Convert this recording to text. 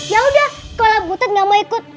ya udah kalau butet gak mau ikut